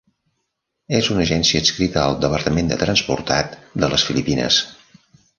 És una agència adscrita al Departament de Transportat de les Filipines.